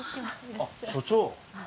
あっ署長。